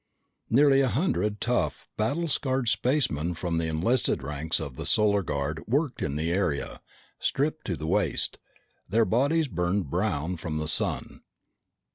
Nearly a hundred tough, battle scarred spacemen from the enlisted ranks of the Solar Guard worked in the area, stripped to the waist, their bodies burned brown from the sun.